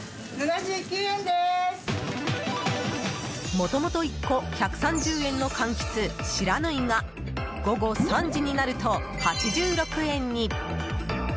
もともと１個１３０円のかんきつ、しらぬいが午後３時になると８６円に。